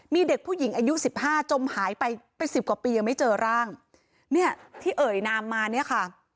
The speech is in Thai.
มีเด็กผู้หญิงอายุสิบห้าจมหายไปเป็นสิบกว่าปียังไม่เจอร่างเนี่ยที่เอ่ยนามมาเนี่ยค่ะ